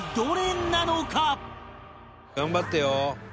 頑張ってよ。